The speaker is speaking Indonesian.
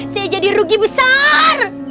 saya jadi rugi besar